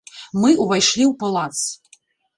Мы ўвайшлі ў палац.